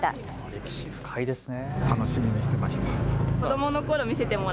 歴史深いですね。